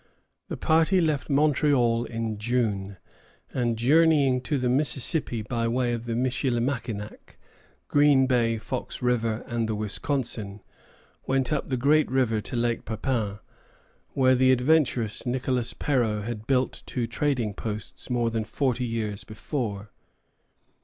The party left Montreal in June, and journeying to the Mississippi by way of Michillimackinac, Green Bay, Fox River, and the Wisconsin, went up the great river to Lake Pepin, where the adventurous Nicolas Perrot had built two trading posts more than forty years before.